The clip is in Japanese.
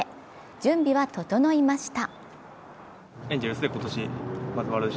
準備は整いました。